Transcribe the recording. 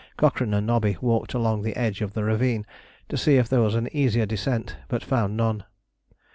Cochrane and Nobby walked along the edge of the ravine to see if there was an easier descent, but found none.